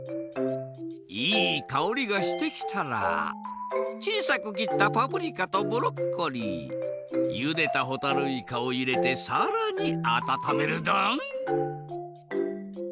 いいかおりがしてきたらちいさく切ったパプリカとブロッコリーゆでたほたるいかをいれてさらにあたためるドン。